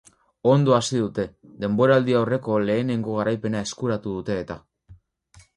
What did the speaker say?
Ondo hasi dute, denboraldi-aurreko lehenengo garaipena eskuratu dute eta.